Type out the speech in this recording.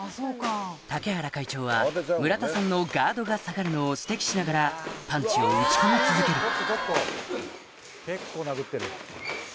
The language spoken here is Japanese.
竹原会長は村田さんのガードが下がるのを指摘しながらパンチを打ち込み続ける結構殴ってる。